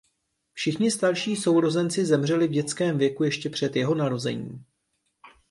Všichni starší sourozenci zemřeli v dětském věku ještě před jeho narozením.